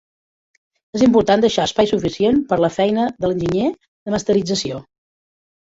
És important deixar espai suficient per a la feina de l'enginyer de masterització.